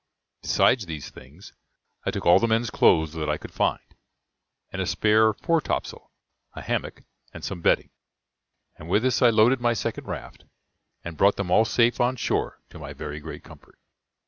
Besides these things, I took all the men's clothes that I could find, and a spare fore topsail, a hammock, and some bedding, and with this I loaded my second raft, and brought them all safe on shore, to my very great comfort.